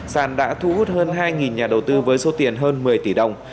sàn đã thu hút hơn hai nhà đầu tư với số tiền hơn một mươi tỷ đồng